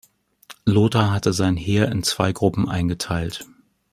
Lothar hatte sein Heer in zwei Gruppen eingeteilt.